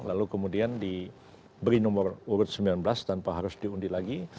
lalu kemudian diberi nomor urut sembilan belas tanpa harus diundi lagi